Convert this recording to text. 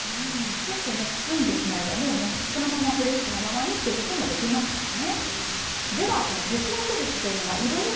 スッと包んでしまえばそのままフレッシュにできるということもありますからね。